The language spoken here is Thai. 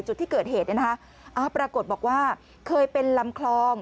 จุดที่เกิดเหตุเนี่ยนะคะปรากฏบอกว่าเคยเป็นลำคลอง